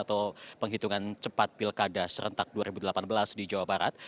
atau penghitungan cepat pilkada serentak dua ribu delapan belas di jawa barat